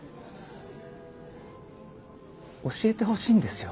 教えてほしいんですよ